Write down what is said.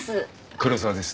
黒沢です。